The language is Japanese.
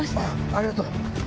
ありがとう。